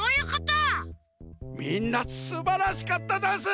みんなすばらしかったざんす。